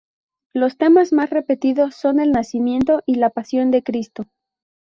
Los temas más repetidos son el nacimiento y la Pasión de Cristo.